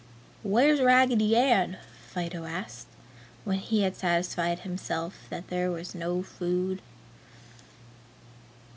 "Where's Raggedy Ann?" Fido asked, when he had satisfied himself that there was no food.